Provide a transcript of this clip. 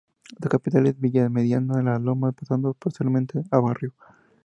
Su capital es Villamediana de Lomas, pasando posteriormente a Barrio.